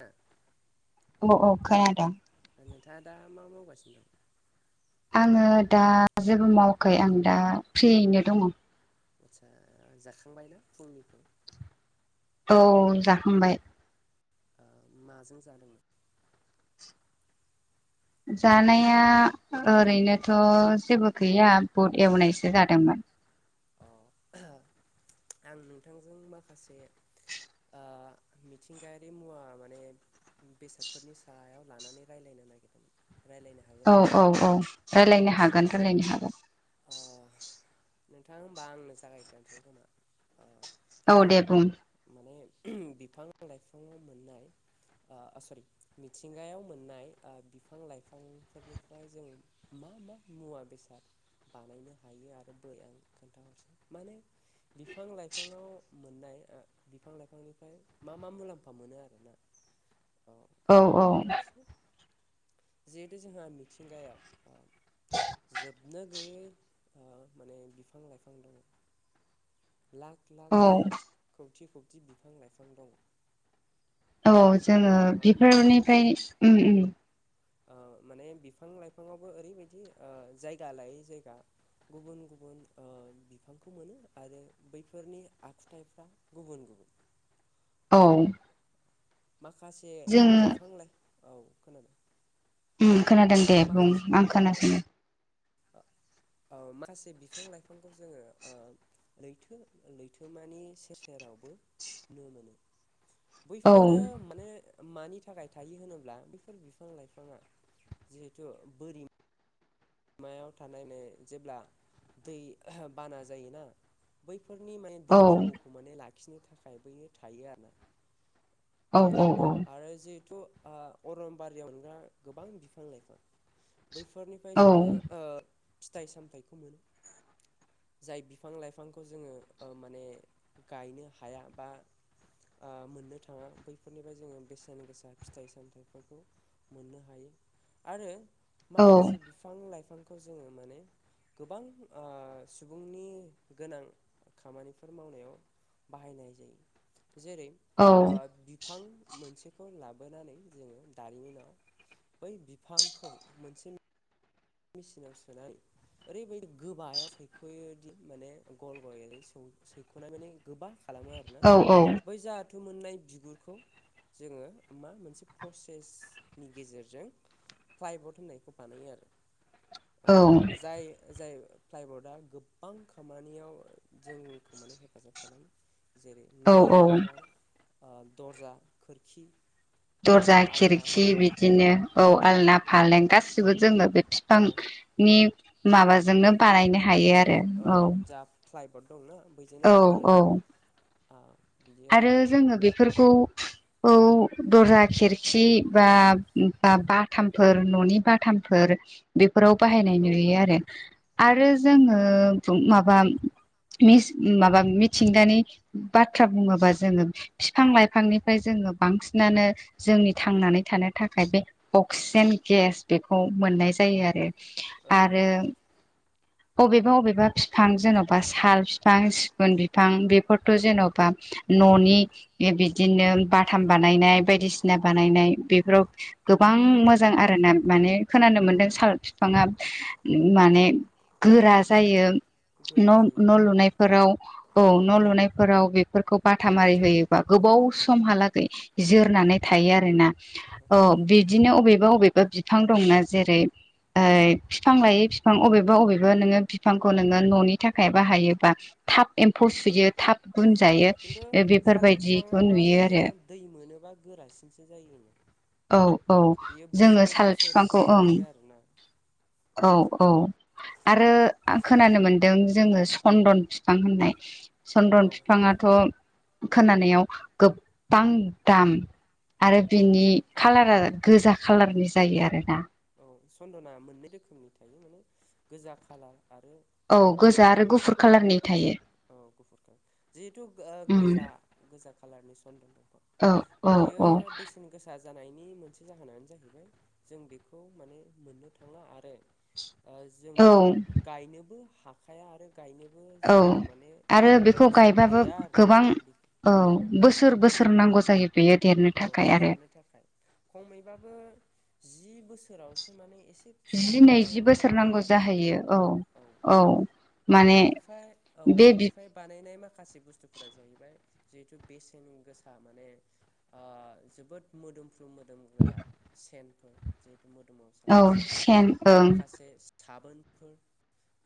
ओ औ औ खोनादों। ओ नोंथाङा दा मा मावगासिनो दं? आङो दा जेबो मावाखै आं दा फ्रियैनो दङ। आचसा जाखांबायना फुंनिखौ औ जाखांबाय। ओ माजों जादोंमोन? जानाया ओरैनोथ' जेबो गैया बुट एवनायसो जादोंमोन। अ आं नोंथांजों माखासे मिथिंगायारि मुवा माने बेसादफोरनि सायाव लानानै रायलायनो नागिरदोंमोन रायलायनो हा औ औ औ रायलायनो हागोन रायलायनो हागोन‌। अ नोंथां होमबा आंनो जागायग्रोनोसै खोमा अ औ दे बुं। माने बिफां लाइफांङाव मोननाय अ ओ सरि मिथिंगायाव मोननाय बिफां लाइफांफोरनिफ्राय जों मा मा मुवा बेसाद बानायनो हायो आरो बै आं खोन्थाहरसै माने बिफां लाइफाङाव मोननाय ओ बिफां लाइफांनिफ्राय मा मा मुलाम्फा मोनो आरोना। औ आं बेखौ खोन्थाहरसिनो जिहेथु जोंहा मिथिंगायाव जोबनो गैयै ओ माने बिफां लाइफां दङ। लाख औ लाख खौथि खौथि बिफां लाइफां दं। औ जोङो नङा होमबा ओ बिफोरनिफ्राय उम उम। ओ माने बिफां लाइफाङावबो ओरैबायदि ओ जायगा लायै जायगा गुबुन गुबुन ओ बिफांखौ मोनो आरो बैफोरनि आखुथाइफ्रा गुबुन गुबुन। औ। माखासे जोङो बिफांलाय औ खोनादों। उम खोनादों दे बुं माखासे आं खोनासैनो। औ माखासे बिफां लाइफांखौ जोङो ओ लैथो लैथोमानि सेर सेरावबो नुनो मोनो। औ बैफोरो माने मानि थाखाय थायो होनोब्ला बेफोर बिफां लाइफाङा जिहेथु बोरि मायाव थानायनो जेब्ला दै बाना जायोना बैफोरनि माने औ दै दोहौखौ माने लाखिनो थाखाय बैयो थायो आरो ना। औ बिदि औ आरोना आरो जिहेथु ओ अरनबारियाव मोनग्रा गोबां बिफां लाइफां बैफोरनिफ्राय औ जोङो ओ फिथाइ सामथाइखौ मोनो। जाय बिफां लाइफांखौ जोङो ओ माने गायनो हाया बा आ मोननो था थाङा बैफोरनिफ्राय जोङो बेसेन गोसा फिथाइ सामथाइफोरखौ मोननो हायो। आरो औ माखासे बिफां बिफां लाइफांखौं जोङो माने गोबां ओ सुबुंनि गोनां खामानिफोर मावनायाव बाहायनाय जायो जेरै औ ओ बिफां मोनसेखौ लाबोनानै जोङो दारिमिनाव बै बिफांखौ मोनसे मेसिनाव सोनाय ओरैबायदि गोबायाव सैख'योदि माने गल गय सौ सै [unintelligible] गोबा खालामो आरोना बै बाथोम मोननाय बिगुरखौ जोङो मा मोनसे प्रसेसनि गेजेरजों फ्लाइबट होननायखौ बानायो आरो जाय जाय फ्लाइबर्डआ गोबबां खामानियाव जोंखौ माने हेफाजाब खालामो। जेरै औ न' औ लुनायफ्राव दर्जा खोरखि। ओ दरजा आलना खिरखि बिदिनो औ आलना फालें गासिबो जोङो बे। औ बिफां नि माबाजोंनो बानायनो हायो आरो। औ जा फ्लाइबड दंना बैजोंनो औ बानायो औ आरो ना बिदि। आरो आरोना जोङो बेफोरखौ। औ दरजा खिरखि बा बाथामफोर न'नि बाथामफोर। बेफोराव बाहायनाय औ नुयो आरो आरो औ जोङो माबा। मिस माबा मिथिंगानि बाथ्रा बुङो बा जोङो फिफां लाइफांनिफ्राय जोङो बांसिनानो। जोंनि थांनानै थानो थाखाय बे अक्सिजेन गेस बेखौ मोननाय जायो आरो। औ औ आरो अबेबा अबेबा फिफां जेन'बा साल फि फां सिगुन बिफां बेफोरथ' औ जेन'बा। न'नि बिदिनो बाथाम बानायनाय बायदिसिना बानायनाय बेफोराव। गोबां मोजां आरो ना माने खोनानो औ मोनदों साल फिफाङा माने। गोरा जायो गोरा न' जायो न' औ लुनाय। फोराव औ न' लुनायफोराव बेफोरखौ। बाथाम आरि होयोबा गोबाव समहालागै जोरनानै थायो आरोना। औ बिदिनो अबेबा अबेबा फिफां दंनो जेरै ओ फिफां लायै फिफां अबेबा अबेबा नोङो बिफांखौ नोङो न'नि थाखाय बाहायोबा। थाब एम्फौ सुयो थाब औ गुन जायो। खिन्थु साल बेफोरबायदिखौ फिफाङा मा नुयो जायो आरो दै मोनोबा गोरासिनसो जायो होनो। औ औ जोङो साल बिफांखौ ओं थायो आरोना औ औ। आरो खोनानो मोनदों जोङो सन्दन फिफां होननाय चन्दन औ फिफाङाथ' खोनानायाव गोबबां दाम। आरो औ बिनि खाालारा गोजा खालारनि जायो आरोना। औ सन्दना मोननै रोखोमनि थायो माने गोजा खालार आरो। औ ओ गोजा आरो गुफुर कालारनि थायो। औ गुफुरखो जिहेथु उम गोजा गोजा कालारनि सन्दन दंफां। औ औ बियो औ बेसेन गोसा। जानायनि मोनसे जाहोनानो जाहैबाय जों बेखौ माने मोननो थांला आरो। ओ जों औ बेखौ गायनोबो हाखाया आरो गायनोबो औ जोंनाव। माने आरो बेखौ पारमिसन गायबाबो गैया आरो गोबां औ बोसोर बोसोर नांगौ जायो। बेयो देरनो औ थाखाय आरो। देरनो थाखाय। खमैबाबो जि बोसोरावसो माने एसे। एसे फिसा जि माने नैजि बोसोर महर नांगौ लायो आरोना जाहैयो औ। औ माने बेनिफ्राय औ बे बि बेनिफ्राय बानायनाय माखासे बुस्थुफोरा जाहैबाय जिहेथु बेसेन गोसा माने ओ जोबोद मोदोमफ्रु मोदोमग्रा सेनफोर जिहेथु मोदोमाव औ सारग्रा सेन ओं माखासे साबोनफोर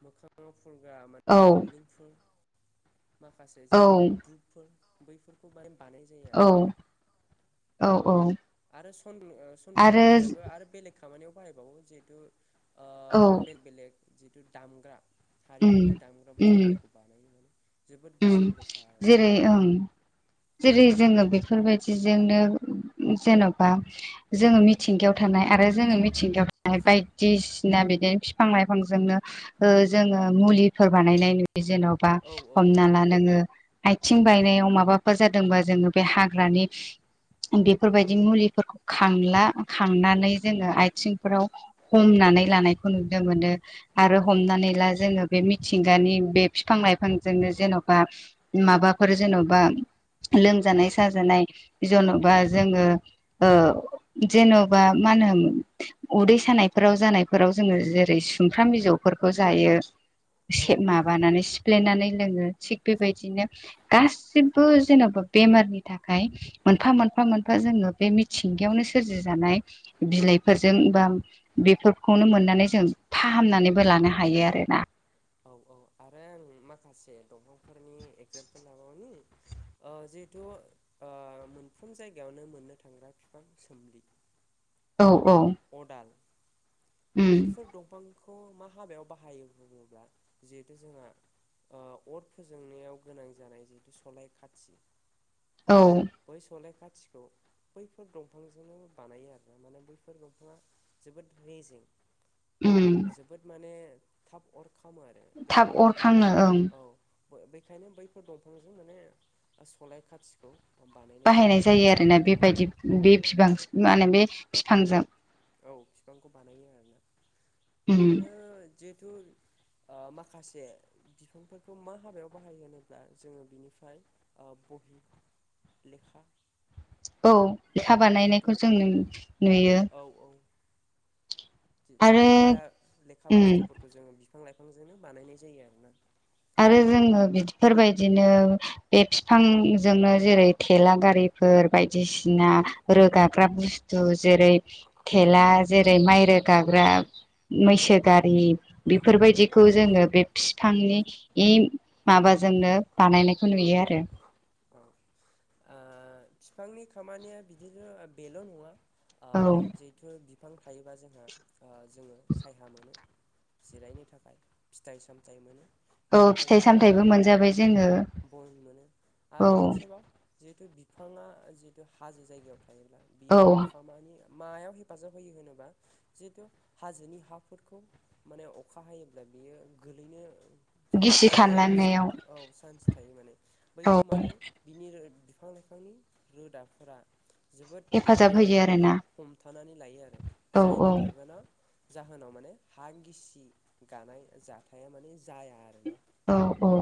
मोखाङाव फुनग्रा औ माने बरलिंफोर माखासे औ जितु धुपफोर बैफोरखौ माने बानाय जाया। औ औ औ आरो सन ओ सन्दन आरो गोजायाबो आरो बेलेग खामानियाव बाहायबावो जिहेथु ओ औ बेलेग बेलेग जिहेथु दामग्रा उम हारिमुनो दामग्रा उम बुस्थुफोरखो बानायोमोन जोबोद उम बेसेन गोसा आरोना। [inaudible] जेरै ओं जेरै जोङो बेफोरबायदिजोंनो जेन'बा जोङो मिथिंगायाव थानाय आरो जोङो मिथिंगायाव थानाय बायदिसिना बिदिनो बिफां-लाइफांजोंनो ओ जोङो मुलिफोर बानायनाय नुयो जेन'बा औ औ हमना ला नोङो आयथिं बायनायाव माबाफोर जादोंबा जोङो बे हाग्रानि बेफोरबायदि मुलिफोरखौ खांला खांनानै जोङो आयथिंफोराव हमनानै लानायखौ नुनो मोनो आरो औ हमनानै ला जोङो बे मिथिंगानि बे फिफां-लाइफांजोंनो जेन'बा माबाफोर जेन'बा लोमजानाय साजानाय जेन'बा जोङो ओ जेन'बा मा होनो उदै सानायफोराव जानायफोराव जोङो जेरै सुमफ्राम बिजौफोरखौ जायो औ माबानानै सिफ्लेनानै लोङो थिग बेबायदिनो गासिबो जेन'बा बेमारनि थाखाय मोनफा मोनफा मोनफा जोङो बे मिथिंगायावनो सोरजि जानाय बिलाइफोरजों बा बेफोरखौनो मोननानै जों फाहामनानैबो लानो हा यो आरोना औ औ आरो आं माखासे दंफांफोरनि एगजामपोल लाबावनि ओ जिहेथु ओ मोनफ्रोम जायगायावनो मोननो थांग्रा बिफां सोमलि औ औ अदाल उम बैफोर दंफांखौ मा हाबायाव बाहायो बुङोब्ला जिहेथु जोंहा ओ अर फोजोंनायाव गोनां जानाय जिहेथु सलाय खाथि औ बै सलाय खाथिखौ बैफोर दंफांजोंनो बानायो आरोना माने बैफोर दंफाङा जोबोद रेजें उम ओ जोबोद माने थाब अर खामो आरो थाब अर बेखायनो खांनो ओं औ बेखायनो बैफोर दंफांजों माने सलाय खाथिखौ बानायनाय बाहायनाय जायो आरोना आरो बेबायदि औ बे बिफां माने बे बिफांजों। औ बिफांखौ बानायो आरोना उम आरो जिहेथु ओ माखासे बिफांफोरखौ मा हाबायाव बाहायो होनोब्ला जोङो बिनिफ्राय ओ बहि, लेखा औ लेखा जिहेथु बानायनायखौ जों नु-नुयो। औ औ जिथु आरो लेखा लेखा उम बुस्थुफोरखौ जोङो बिफां-लाइफांजोंनो बानायनाय जायो आरोना। आरो जोङो बिफोरबायदिनो बे फिफां जोंनो जेरै थेला गारिफोर बायदिसिना रोगाग्रा बुस थु जेरै थेला जेरै माइ रोगाग्रा मैसो गारि औ बेफोरबायदिखौ जोङो बे बिफांनि इ माबाजोंनो बानायनायखौ नुयो आरो औ ओ बिफांनि खामानिया बिदिनो बेल' नङा ओ औ जिहेथु बिफां थायोबा जोंहा ओ जोङो सायहा मोनो। जिरायनो थाखाय फिथाइ-सामथाय मोनो। औ बेनिफ्राय फिथाइ जोङो सामथायाइबो बन मोनजाबाय जोङो बन मोनो। औ आरो मोनसेबाव जिहेतु बिफाङा जिहेतु हाजो जायगायाव थायोब्ला औ बियो मा खामानि मायाव हेफाजाब होयो होनोब्ला जिहेथु हाजोनि हाफोरखौ माने अखा हायोब्ला बियो गोलैनो जोबोद गिसि माने खानलांनायाव औ चान्स थायो माने। औ बेखौ माने बिनि बिफां लाइफांनि रोदाफोरा जोबोद हेफाजाब होयो गोरायै माने आरोना हमथानानै लायो आरो औ औ जायनि थागोना जाहोनाव माने हा गिसि गानाय जाथाया माने जाया आरोना। औ औ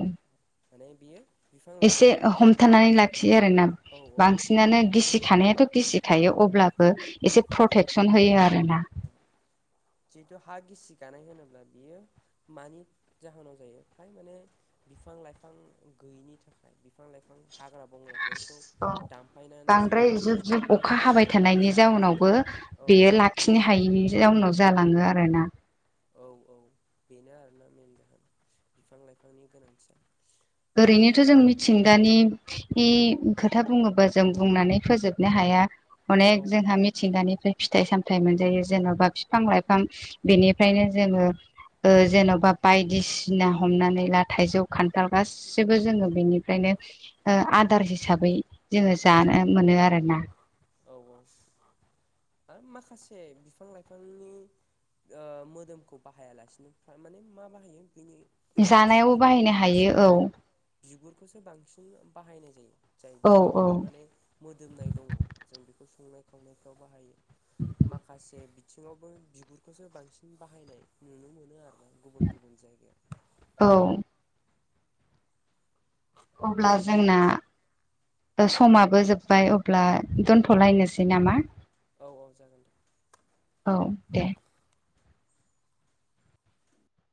माने बियो बिफां एसे लाइफांफ्रा हमथानानै लाखियो आरोना औ औ बांसिनानो गिसि खानायाथ' गिसिखायो अब्लाबो एसे औ प्रटेकसन होयो आरोना। जिहेतु हा गिसि गानाय होनोब्ला बियो मानि जाहोनाव जायो फ्राय माने बिफां लाइफां गैयिनि थाखाय। बिफां लाइफां हाग्रा बंग्राफोरखौ दामफायनानै बांद्राय सावनानै जुब बुथार जुब अखा हाबाय थानायनि जाउनावबो औ बेयो लाखिनो हायैनि जाउनाव जालाङो आरोना। औ औ बेनो आरोना मेेन जाहोना बिफां लाइफांनि गोनांथिया। आरो ओरैनोथ' जों दंबावो मिथिंगा नि नि खोथा बुङोबा जों बुंनानै फोजोबनो हाया। अनेक औ जोंहा मिथिंगानिफ्राय फिथाइ सामथाइ मोनजायो जेन'बा बिफां लाइफां बेनिफ्रायनो जोङो ओ जेन'बा बायदिसिना हमनानै ला थाइजौ खान्थाल गासिबो जोङो बेनिफ्रायनो ओ आदार हिसा बै जोङो जानानै मोनो आरोना। औ औ आरो माखासे बिफां लाइफांनि ओ मोदोमखौ बाहायालासिनो माने मा बाहायो बिनि जानायावबो बिगुरखौबो बाहायनो हायो बिगुर औ बिगुरखौसो बांसिन बाहायनाय जायो जाय औ औ बिगुरफ्रा माने मोदोमनाय दङ जों बेखौ संनाय खावनायफ्राव बाहायो। माखासे बिथिङावबो बिगुरखौसो बांसिन बाहायनाय नुनो मोनो आरोना गुबुन गुबुन जायगायाव। औ [inaudible] अब्ला जोंना समाबो जोब्बाय अब्ला दोनथ'लायनोसै नामा? औ औ जागोन दे। औ दे